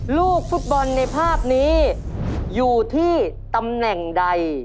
ลูกฟุตบอลในภาพนี้อยู่ที่ตำแหน่งใด